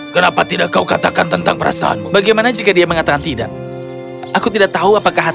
kerajaan yang sangat jauh